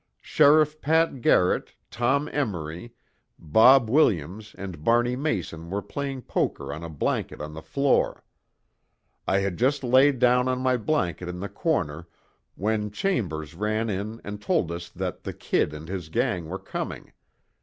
Sheriff Pat Garrett, Tom Emory, Bob Williams, and Barney Mason were playing poker on a blanket on the floor. I had just laid down on my blanket in the corner, when Chambers ran in and told us that the 'Kid' and his gang were coming.